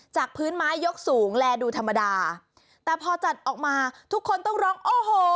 พื้นไม้ยกสูงแลดูธรรมดาแต่พอจัดออกมาทุกคนต้องร้องโอ้โห